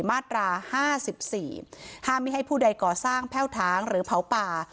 มาตรา๕๔ห้ามไม่ให้ผู้ใดก่อสร้างแพ่วถางหรือเผาป่า